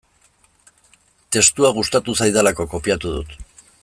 Testua gustatu zaidalako kopiatu dut.